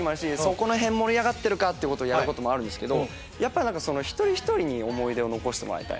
この辺盛り上がってるか⁉ってやることもあるんですけどやっぱり一人一人に思い出を残してもらいたい！